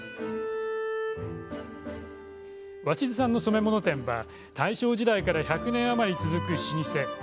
鷲巣さんの染め物店は大正時代から１００年余り続く老舗。